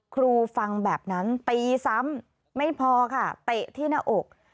ครูฟังแบบนั้นตีซ้ำไม่พอค่ะเตะที่หน้าอก